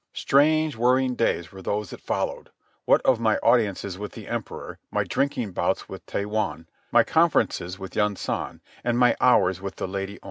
Strange whirling days were those that followed, what of my audiences with the Emperor, my drinking bouts with Taiwun, my conferences with Yunsan, and my hours with the Lady Om.